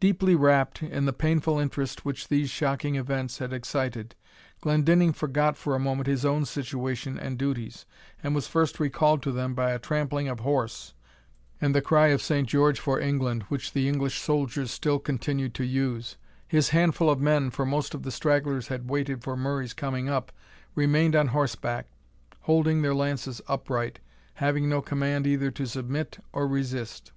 Deeply wrapt in the painful interest which these shocking events had excited, Glendinning forgot for a moment his own situation and duties, and was first recalled to them by a trampling of horse, and the cry of Saint George for England, which the English soldiers still continued to use. His handful of men, for most of the stragglers had waited for Murray's coming up, remained on horseback, holding their lances upright, having no command either to submit or resist.